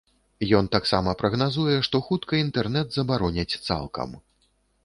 Ён таксама прагназуе, што хутка інтэрнэт забароняць цалкам.